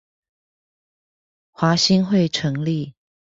華興會成立